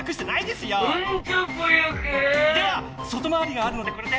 では外回りがあるのでこれで！